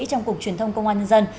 trong cục truyền thông công an nhân dân